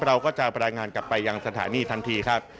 เราก็จะรายงานกลับไปยังสถานีทันทีครับ